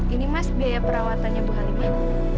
ini mas biaya perawatannya bu halimah